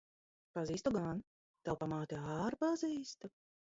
Pazīstu gan. Tavu pamāti ar pazīstu.